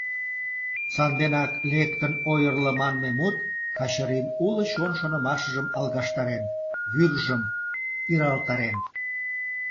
Санденак «лектын ойырло» манме мут Качырин уло чон шонымашыжым алгаштарен, вӱржым иралтарен.